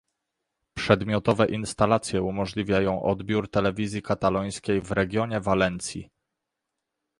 Przedmiotowe instalacje umożliwiają odbiór telewizji katalońskiej w regionie Walencji